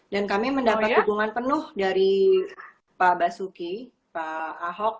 dan kami mendapat hubungan penuh dari pak basuki pak ahok